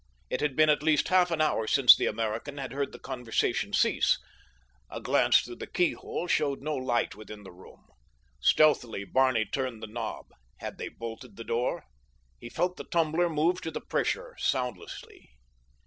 It had been at least half an hour since the American had heard the conversation cease. A glance through the keyhole showed no light within the room. Stealthily Barney turned the knob. Had they bolted the door? He felt the tumbler move to the pressure—soundlessly.